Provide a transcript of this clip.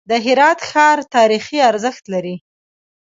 د هرات ښار تاریخي ارزښت لري.